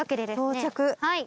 到着。